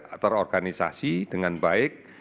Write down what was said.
kemudian secara terorganisasi dengan baik